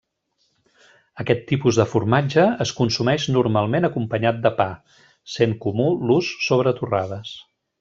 Aquest tipus de formatge es consumeix normalment acompanyat de pa, sent comú l'ús sobre torrades.